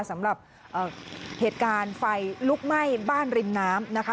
สำหรับเหตุการณ์ไฟลุกไหม้บ้านริมน้ำนะคะ